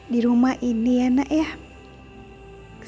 di rumah ini ya nak ya